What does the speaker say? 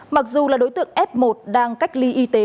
mặc dù là đối tượng f một đang cách ly y tế